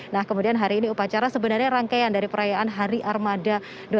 nah kemudian hari ini upacara sebenarnya rangkaian dari perayaan hari armada dua ribu dua puluh satu